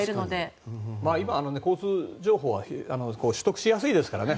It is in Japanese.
今、交通情報は取得しやすいですからね。